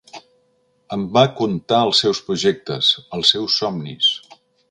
Em va contar els seus projectes, els seus somnis